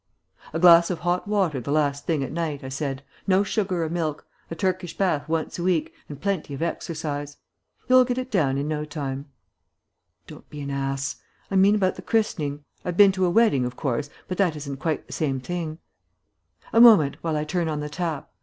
"A glass of hot water the last thing at night," I said, "no sugar or milk, a Turkish bath once a week and plenty of exercise. You'll get it down in no time." "Don't be an ass. I mean about the christening. I've been to a wedding, of course, but that isn't quite the same thing." "A moment, while I turn on the tap."